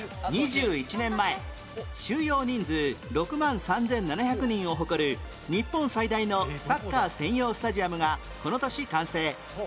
２１年前収容人数６万３７００人を誇る日本最大のサッカー専用スタジアムがこの年完成